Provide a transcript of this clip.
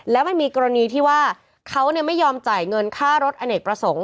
แล้วแม้มีกรณีที่ว่าเขาเนี่ยไม่ยอมจ่ายเงินค่ารสอดอเนตประสงค์